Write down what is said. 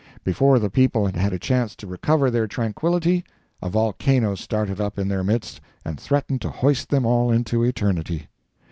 Before the people had had a chance to recover their tranquillity, a volcano started up in their midst and threatened to hoist them all into eternity.